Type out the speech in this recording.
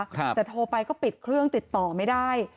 แต่โทรไปก็ปิดเครื่องติดต่อไม่ได้